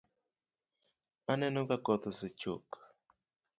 Aneno ka koth osechok